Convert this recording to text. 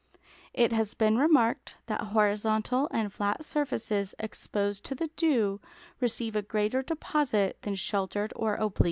It has been remarked that horizontal and flat surfaces exposed to the dew receive a greater deposit than sheltered or oblique surfaces.